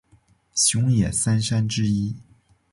熊野三山之一。